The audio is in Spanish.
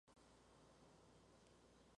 Recibió la compensación de un año de salario.